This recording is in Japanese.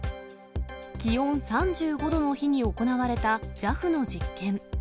気温３５度の日に行われたＪＡＦの実験。